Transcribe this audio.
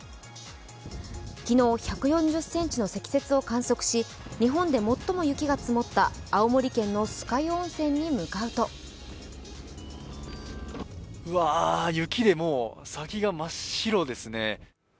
昨日１４０ｃｍの積雪を観測し、日本で最も雪の積もった青森県の酸ヶ湯温泉に向かうと雪でもう先が真っ白ですね。